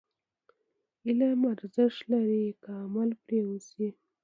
علم ارزښت لري، که عمل پرې وشي.